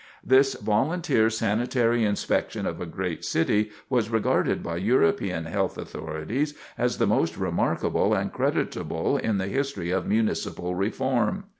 This volunteer sanitary inspection of a great city was regarded by European health authorities as the most remarkable and creditable in the history of municipal reform.